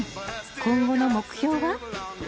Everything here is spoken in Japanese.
今後の目標は？